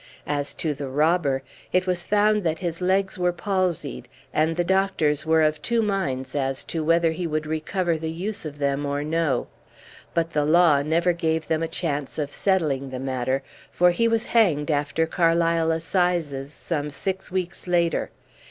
As to the robber, it was found that his legs were palsied, and the doctors were of two minds as to whether he would recover the use of them or no; but the Law never gave them a chance of settling the matter, for he was hanged after Carlisle assizes, some six weeks later.